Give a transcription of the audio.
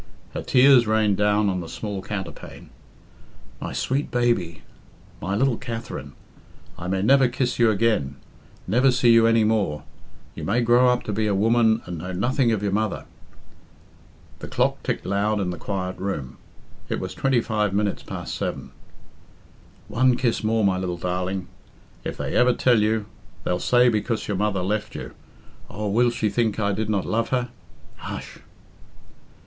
Her tears rained down on the small counterpane. "My sweet baby I my little Katherine! I may never kiss you again never see you any more' you may grow up to be a woman and know nothing of your mother!" The clock ticked loud in the quiet room it was twenty five minutes past seven. "One kiss more, my little darling. If they ever tell you... they'll say because your mother left you... Oh, will she think I did not love her? Hush!"